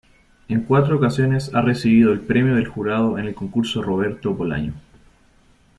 En cuatro ocasiones ha recibido el Premio del Jurado en el Concurso Roberto Bolaño.